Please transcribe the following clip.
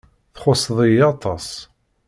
Txuṣṣeḍ-iyi aṭas.